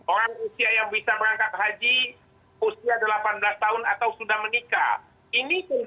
orang usia yang bisa berangkat haji usia yang tidak terlalu muda kemudian peskam pesket kita lakukan